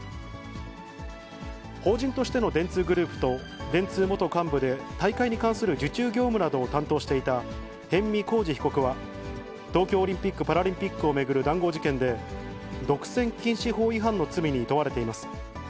法人としての電通グループと、電通元幹部で大会に関する受注業務などを担当していた逸見晃治被告は、東京オリンピック・パラリンピックを巡る談合事件で、独占禁止法違反の罪に問われています。